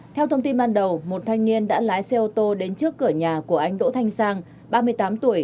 theo thông tin ban đầu một thanh niên đã lái xe ô tô đến trước cửa nhà của anh đỗ thanh sang ba mươi tám tuổi